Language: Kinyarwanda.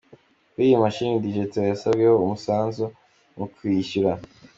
Kuri iyi mashini Dj Théo yasabweho umusanzu mu kuyishyura.